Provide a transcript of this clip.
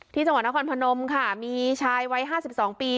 ที่จังหวัดนครพนมค่ะมีชายวัยห้าสิบสองปี